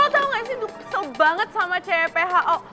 tau gak sih tuh kesel banget sama cepho